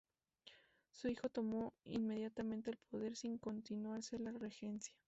Su hijo tomó inmediatamente el poder, sin continuarse la regencia.